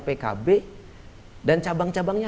pkb dan cabang cabangnya